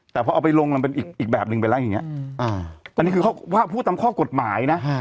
แต่พอเอาไปลงมันเป็นอีกแบบนึงไปแล้วอย่างนี้อันนี้คือเขาพูดตามข้อกฎหมายนะ